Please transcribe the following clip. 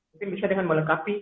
mungkin bisa dengan melengkapi